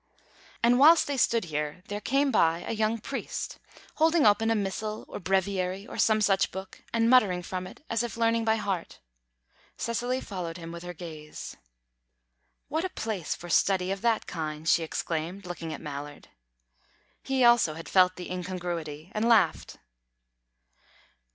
And whilst they stood here, there came by a young priest, holding open a missal or breviary or some such book, and muttering from it, as if learning by heart. Cecily followed him with her gaze. "What a place for study of that kind!" she exclaimed, looking at Mallard. He also had felt the incongruity, and laughed.